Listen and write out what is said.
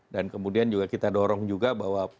dan kemudian juga kita dorong juga bahwa